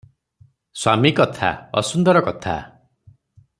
ସ୍ୱାମୀ କଥା- ଅସୁନ୍ଦର କଥା ।